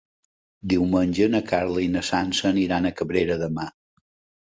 Diumenge na Carla i na Sança aniran a Cabrera de Mar.